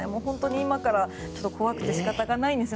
今から怖くて仕方がないんですが。